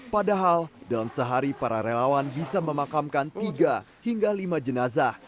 padahal dalam sehari para relawan bisa memakamkan tiga hingga lima jenazah